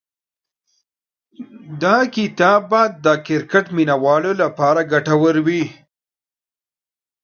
دا کتاب به د کرکټ مینه والو لپاره ګټور وي.